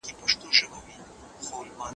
په ځمکه کي په امن کي اوسئ.